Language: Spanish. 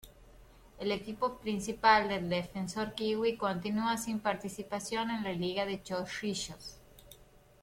El equipo principal del Defensor Kiwi, continua sin participación en la liga de Chorrillos.